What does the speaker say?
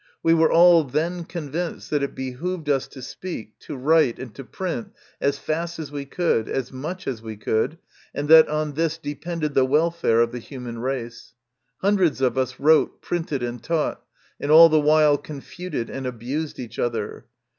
We were all then convinced that it behooved us to speak, to write, and to print as fast as we could, as much as we could, and that on this depended the welfare of the human race. Hundreds of us wrote, printed, and taught, and all the while confuted and abused each other.